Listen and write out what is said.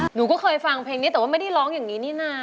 หนูก็เคยฟังเพลงนี้แต่ว่าไม่ได้ร้องอย่างนี้นี่นะ